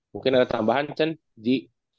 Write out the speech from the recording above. mungkin ada tambahan chen ji